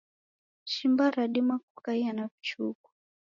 Shimba radima kukaia na vichuku.